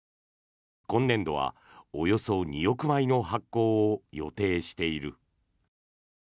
今年度はおよそ２億枚の発行を予定している。